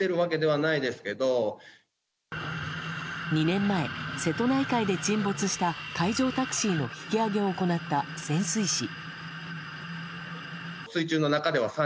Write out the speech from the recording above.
２年前、瀬戸内海で沈没した海上タクシーの引き揚げを行った潜水士。